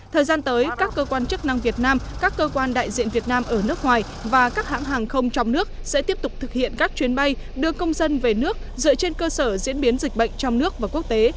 thời gian tới các cơ quan chức năng việt nam các cơ quan đại diện việt nam ở nước ngoài và các hãng hàng không trong nước sẽ tiếp tục thực hiện các chuyến bay đưa công dân về nước dựa trên cơ sở diễn biến dịch bệnh trong nước và quốc tế